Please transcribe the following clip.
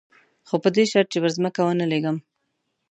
خو په دې شرط چې پر ځمکه ونه لېږم.